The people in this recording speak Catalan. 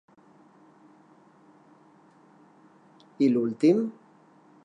I l'últim?